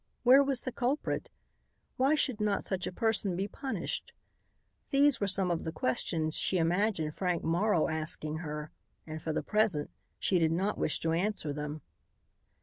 Where was the culprit? Why should not such a person be punished? These were some of the questions she imagined Frank Morrow asking her, and, for the present, she did not wish to answer them.